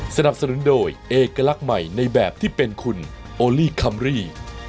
สนับสนุนโดยเอกลักษณ์ใหม่ในแบบที่เป็นคุณโอลี่คัมรี่